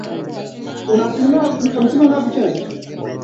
kidogo kidogo halafu watu wakaongeza nguvu alafu